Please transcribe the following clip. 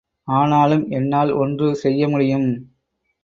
ஆனாலும் என்னால் ஒன்று செய்ய முடியும்!